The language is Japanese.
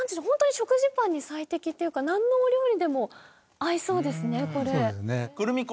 ホントに食事パンに最適っていうかなんのお料理でも合いそうですねこれ。